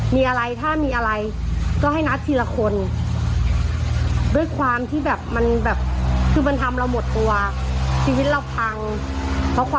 เพราะความไว้ใจเพื่อนอะไรอย่างนี้ค่ะ